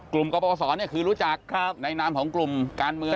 กลุ่มกปศคือรู้จักในน้ำของกลุ่มการเมือง